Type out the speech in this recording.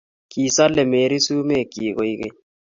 kisale Mary sumekchik koek keny